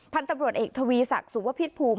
พันธุ์ตำรวจเอกทวีศักดิ์สุวพิษภูมิ